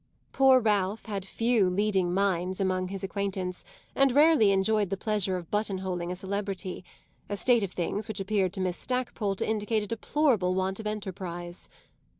Poor Ralph had few leading minds among his acquaintance and rarely enjoyed the pleasure of buttonholing a celebrity; a state of things which appeared to Miss Stackpole to indicate a deplorable want of enterprise.